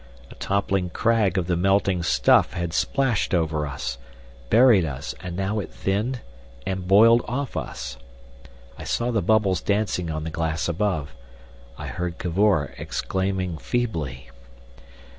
A toppling crag of the melting stuff had splashed over us, buried us, and now it thinned and boiled off us. I saw the bubbles dancing on the glass above. I heard Cavor exclaiming feebly.